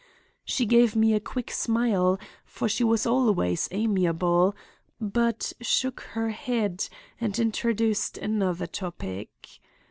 She gave me a quick smile, for she was always amiable, but shook her head and introduced another topic.